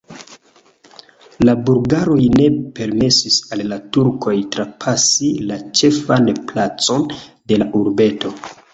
La bulgaroj ne permesis al la turkoj trapasi la ĉefan placon de la urbeto.